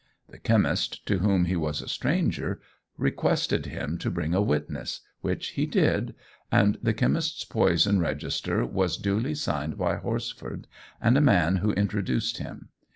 The chemist, to whom he was a stranger, requested him to bring a witness, which he did, and the chemist's poison register was duly signed by Horsford and a man who introduced him.